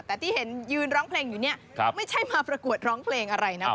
แต่ที่เห็นยืนร้องเพลงอยู่เนี่ยไม่ใช่มาประกวดร้องเพลงอะไรนะ